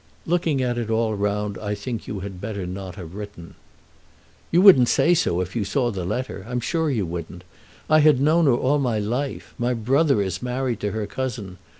"Looking at it all round I think you had better not have written." "You wouldn't say so if you saw the letter. I'm sure you wouldn't. I had known her all my life. My brother is married to her cousin.